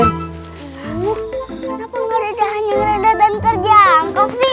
kenapa gak ada dahan yang reda dan terjangkau sih